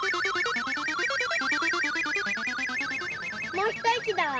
もうひといきだわ。